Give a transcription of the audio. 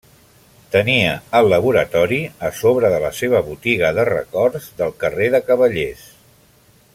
Tenia el laboratori a sobre de la seva botiga de records del carrer de Cavallers.